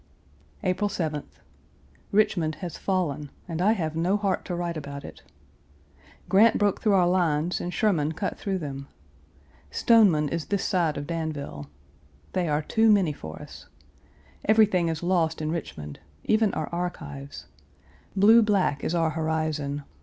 April 7th. Richmond has fallen and I have no heart to write about it. Grant broke through our lines and Sherman cut through them. Stoneman is this side of Danville. They are too many for us. Everything is lost in Richmond, even our archives. Blue black is our horizon.